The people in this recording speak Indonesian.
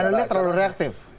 anak anaknya terlalu reaktif